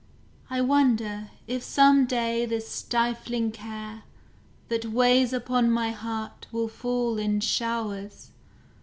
I wonder if some day this stifling care That weighs upon my heart will fall in showers?